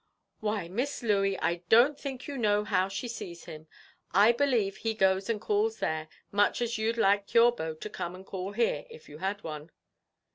"Why, Miss Louey, I don't think you know how she sees him. I believe he goes and calls there, much as you'd like your beau to come and call here, if you had one."